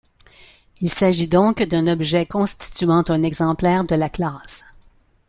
Il s'agit donc d'un objet constituant un exemplaire de la classe.